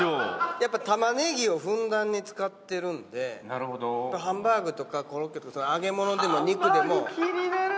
やっぱ玉ねぎをふんだんに使ってるんでハンバーグとかコロッケとか揚げ物でも肉でも。